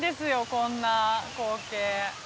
こんな光景。